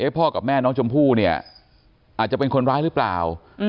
พ่อกับแม่น้องชมพู่เนี่ยอาจจะเป็นคนร้ายหรือเปล่า